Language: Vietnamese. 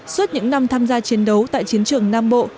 suốt những năm tham gia chiến đấu tại chiến trường nam bộ